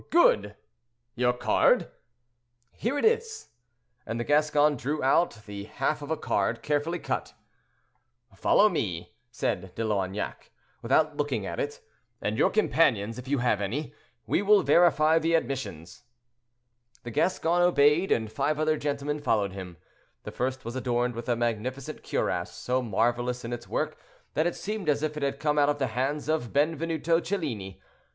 "Good! Your card?" "Here it is;" and the Gascon drew out the half of a card, carefully cut. "Follow me," said De Loignac, without looking at it, "and your companions, if you have any. We will verify the admissions." The Gascon obeyed, and five other gentlemen followed him. The first was adorned with a magnificent cuirass, so marvelous in its work that it seemed as if it had come out of the hands of Benvenuto Cellini.